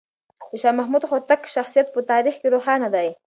د شاه محمود هوتک شخصیت په تاریخ کې روښانه دی.